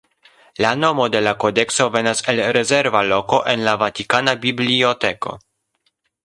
La nomo de la kodekso venas el rezerva loko en la Vatikana biblioteko.